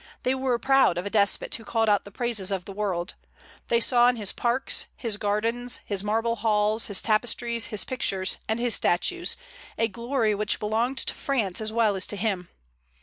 They were proud of a despot who called out the praises of the world. They saw in his parks, his gardens, his marble halls, his tapestries, his pictures, and his statues a glory which belonged to France as well as to him.